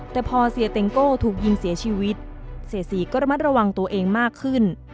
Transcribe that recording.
แต่พอเสียเต็งโก้ถูกยิงเสียชีวิตเสียสีก็ระมัดระวังตัวเองมากขึ้น